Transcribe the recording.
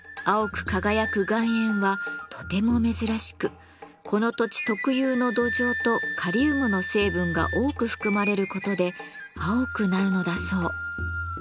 輝く岩塩はとても珍しくこの土地特有の土壌とカリウムの成分が多く含まれることで青くなるのだそう。